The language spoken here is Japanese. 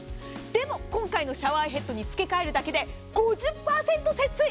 でも今回のシャワーヘッドに付け替えるだけで５０％節水。